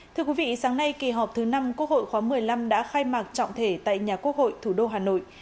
thưa quý vị sáng nay kỳ họp thứ năm quốc hội khóa một mươi năm đã khai mạc trọng thể tại nhà quốc hội thủ đô hà nội